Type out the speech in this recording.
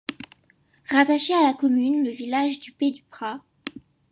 Rattaché à la commune, le village du Pey-du-Prat.